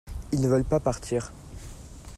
ils ne veulent pas partir.